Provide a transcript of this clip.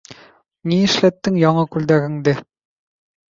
Ни эшләттең яңы күлдәгеңде?